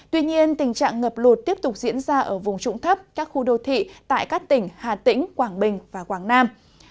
tuy nhiên tình trạng ngập lụt tiếp tục diễn ra ở vùng trụng thấp các khu đô thị tại các tỉnh hà tĩnh quảng bình và quảng nam